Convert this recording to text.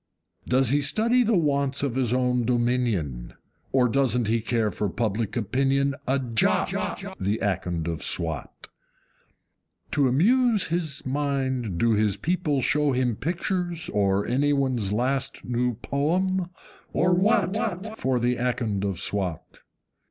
Does he study the wants of his own dominion? Or doesn't he care for public opinion a JOT, The Akond of Swat? To amuse his mind do his people show him Pictures, or any one's last new poem, or WHAT, For the Akond of Swat?